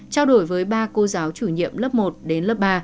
trao đổi với ba cô giáo chủ nhiệm lớp một đến lớp ba